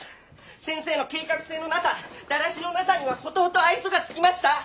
先生の計画性のなさだらしのなさにはほとほと愛想が尽きました！